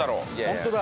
ホントだ。